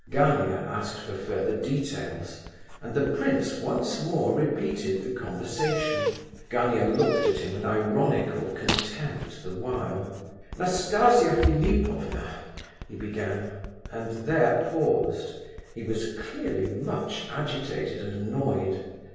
Gania asked for further details; and the prince once more repeated the conversation. Gania looked at him with ironical contempt the while. "Nastasia Philipovna," he began, and there paused; he was clearly much agitated and annoyed.